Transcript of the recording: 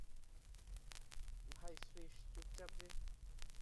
ভাই শ্রীশ, চুপচাপ যে!